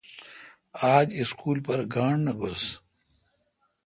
آج اسکول پر گانٹھ نہ گوس۔